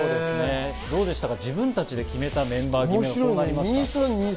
どうですか、自分たちで決めたメンバーが決まりました。